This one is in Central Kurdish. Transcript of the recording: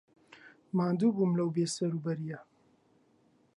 ماندوو بووم لەم بێسەروبەرییە.